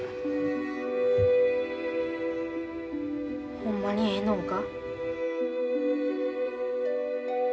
ほんまにええのんか？